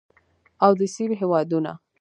او د سیمې هیوادونه